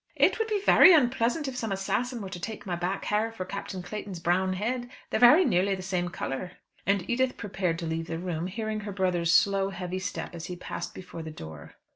"It would be very unpleasant if some assassin were to take my back hair for Captain Clayton's brown head. They're very nearly the same colour." And Edith prepared to leave the room, hearing her brother's slow, heavy step as he passed before the door.